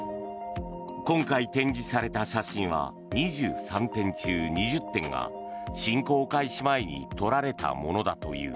今回展示された写真は２３点中２０点が侵攻開始前に撮られたものだという。